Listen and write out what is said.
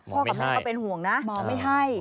พ่อกับน้องก็เป็นห่วงนะหมอไม่ให้